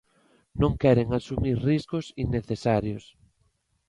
Non queren asumir riscos innecesarios.